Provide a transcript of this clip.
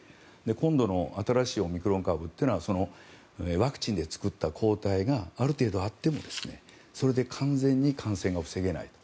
今度の新しいオミクロン株はワクチンで作った抗体がある程度あってもそれで完全に感染は防げない。